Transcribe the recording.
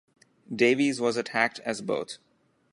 Davies was attacked as both.